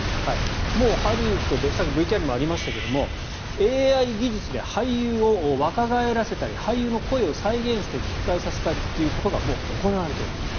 もうハリウッドではさっきＶＴＲにもありましたがＡＩ技術で俳優を若返らせたり俳優の声を再現したり吹き替えさせたりということがもう行われております。